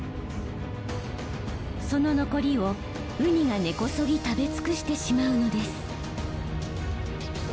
その残りをウニが根こそぎ食べ尽くしてしまうのです。